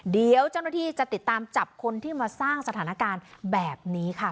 เดี๋ยวเจ้าหน้าที่จะติดตามจับคนที่มาสร้างสถานการณ์แบบนี้ค่ะ